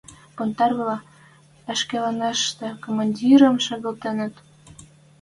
Бунтарьвлӓ ӹшкӹлӓнӹштӹ командирӹм шагалтенӹт.